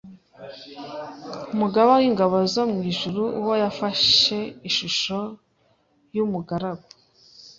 umugaba w’ingabo zo mu ijuru, uwo, yafashe ishusho y’umugaragu